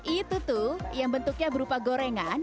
itu tuh yang bentuknya berupa gorengan